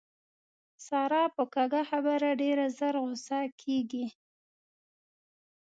ساره په کږه خبره ډېره زر غوسه کېږي.